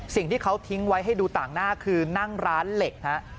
สิ่งที่เขาทิ้งไว้ให้ดูต่างหน้าคือนั่งร้านเหล็กฮะ